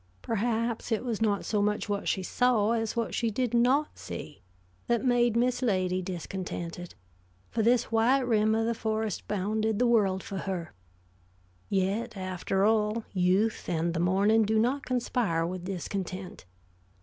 Perhaps it was not so much what she saw as what she did not see that made Miss Lady discontented, for this white rim of the forest bounded the world for her; yet after all, youth and the morning do not conspire with discontent.